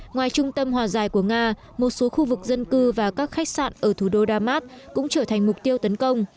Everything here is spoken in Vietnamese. ngoài trung tâm hòa giải của nga một số khu vực dân cư và các khách sạn ở thủ đô damas cũng trở thành mục tiêu tấn công